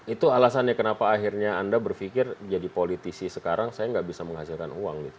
itu alasannya kenapa akhirnya anda berpikir jadi politisi sekarang saya nggak bisa menghasilkan uang gitu